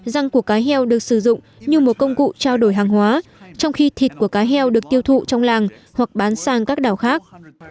răng của cá heo được sử dụng như một công cụ trao đổi hàng hóa trong khi thịt của cá heo được tiêu thụ trong làng hoặc bán sang các đảo khác